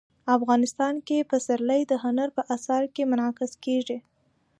افغانستان کې پسرلی د هنر په اثار کې منعکس کېږي.